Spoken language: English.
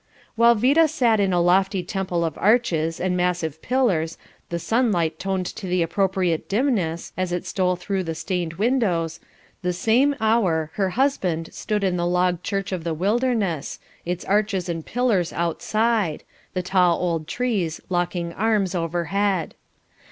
While Vida sat in a lofty temple of arches and massive pillars, the sunlight toned to the appropriate dimness, as it stole through the stained windows, the same hour her husband stood in the log church of the wilderness, its arches and pillars outside the tall old trees locking arms overhead.